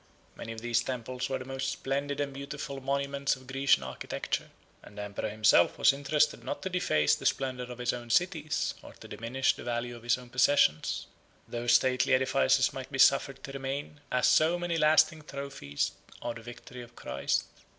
Many of those temples were the most splendid and beautiful monuments of Grecian architecture; and the emperor himself was interested not to deface the splendor of his own cities, or to diminish the value of his own possessions. Those stately edifices might be suffered to remain, as so many lasting trophies of the victory of Christ.